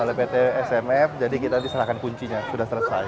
oleh pt smf jadi kita diserahkan kuncinya sudah selesai